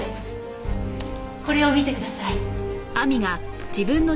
これを見てください。